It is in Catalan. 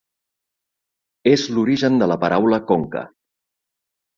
És l'origen de la paraula conca.